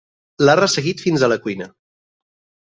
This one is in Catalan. L'ha resseguit fins a la cuina.